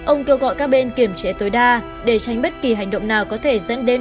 ông kêu gọi các bên kiểm trị tối đa để tránh bất kỳ hành động nào có thể dẫn đến đối tác iran